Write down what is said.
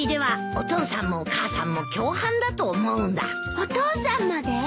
お父さんまで？